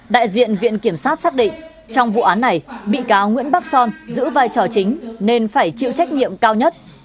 đại diện viện kiểm sát xác định trong vụ án này bị cáo nguyễn bắc son giữ vai trò chính nên phải chịu trách nhiệm cao nhất